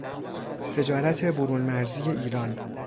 تجارت برون مرزی ایران